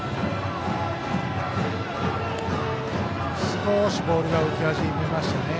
少しボールが浮き始めましたね。